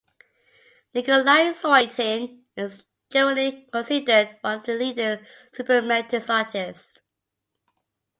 Nikolai Suetin is generally considered one of the leading Suprematist artists.